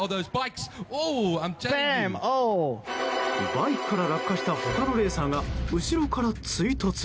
バイクから落下した他のレーサーが後ろから追突。